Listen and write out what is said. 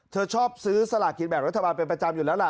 เธอชอบซื้อสลากินแบบรัฐบาลเป็นประจำอยู่แล้วล่ะ